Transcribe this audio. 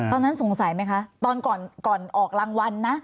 ตอนนั้นสงสัยไหมคะตอนก่อนออกรางวัลนะ